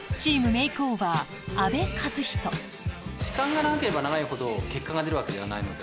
時間が長ければ長いほど結果が出るわけではないので。